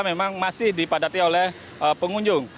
memang masih dipadati oleh pengunjung